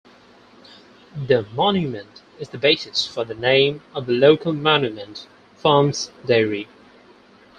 The monument is the basis for the name of the local Monument Farms Dairy.